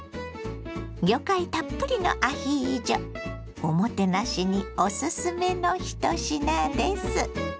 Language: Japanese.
魚介たっぷりのアヒージョおもてなしにおすすめの一品です。